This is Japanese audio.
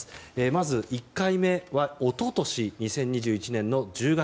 まず、１回目は一昨年２０２１年の１０月。